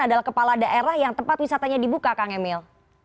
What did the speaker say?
adalah kepala daerah yang tempat wisatanya dibuka kang emil